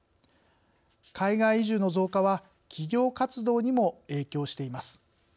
海外移住の増加は企業活動にも影響しています。